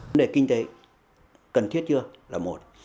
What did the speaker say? vấn đề kinh tế cần thiết chưa là một